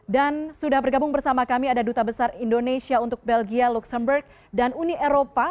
dan sudah bergabung bersama kami ada duta besar indonesia untuk belgia luxembourg dan uni eropa